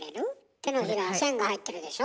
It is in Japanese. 手のひら線が入ってるでしょ？